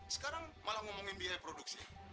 sekarang malah ngomongin biaya produksi